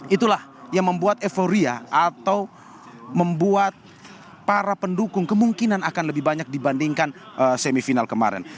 itulah yang membuat euforia atau membuat para pendukung kemungkinan akan lebih banyak dibandingkan semifinal kemarin